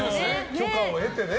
許可を得てね。